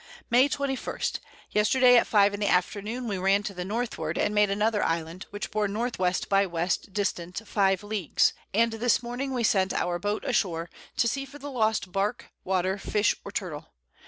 May 21. Yesterday at 5 in the Afternoon we ran to the Northward, and made another Island, which bore N. W. by W. distant 5 Leagues; and this Morning we sent our Boat ashore, to see for the lost Bark, Water, Fish or Turtle.